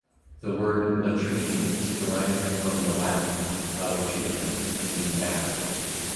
The word "Latrine" is derived from the Latin "lavatrina", meaning bath.